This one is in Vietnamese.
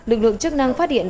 lực lượng chức năng phát hiện